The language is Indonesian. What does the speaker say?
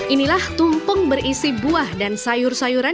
inilah tumpeng berisi buah dan sayur sayuran